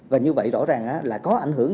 và như vậy rõ ràng là có ảnh hưởng